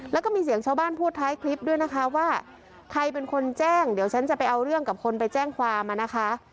แล้วก็มีเสียงชาวบ้านพูดท้ายคลิปด้วยนะคะว่าใครเป็นคนแจ้งเดี๋ยวฉันจะไปเอาเรื่องกับคนไปแจ้งความนะคะ